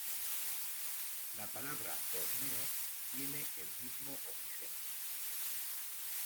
La palabra "Borneo" tiene el mismo origen.